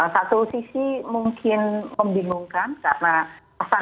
satu sisi mungkin membingungkan karena kesan